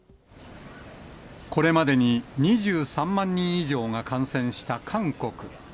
これまでに２３万人以上が感染した韓国。